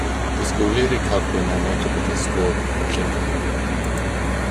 Disgwylir i Corbyn annerch y protestwyr yn Llundain.